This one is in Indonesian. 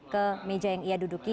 ke meja yang ia duduki